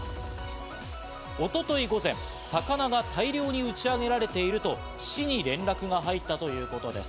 一昨日午前、魚が大量に打ちあげられていると市に連絡が入ったということです。